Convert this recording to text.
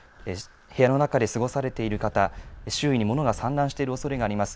部屋の中で過ごされている方、周囲にものが散乱しているおそれがあります。